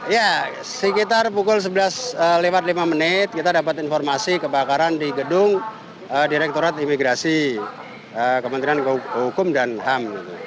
ya sekitar pukul sebelas lewat lima menit kita dapat informasi kebakaran di gedung direkturat imigrasi kementerian hukum dan ham